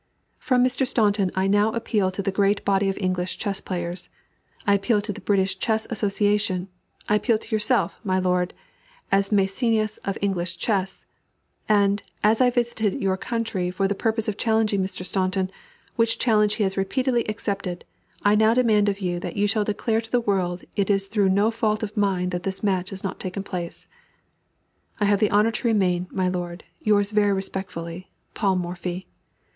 From Mr. Staunton I now appeal to the great body of English chess players, I appeal to the British Chess Association, I appeal to yourself, my lord, as the Mæcenas of English chess; and, as I visited your country for the purpose of challenging Mr. Staunton, which challenge he has repeatedly accepted, I now demand of you that you shall declare to the world it is through no fault of mine that this match has not taken place. I have the honor to remain, my lord, yours very respectfully, PAUL MORPHY.